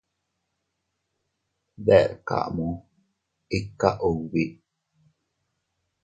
Deʼr kamu, ikka ubi.